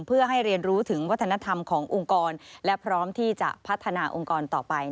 เพื่อให้เรียนรู้ถึงวัฒนธรรมขององค์กรและพร้อมที่จะพัฒนาองค์กรต่อไป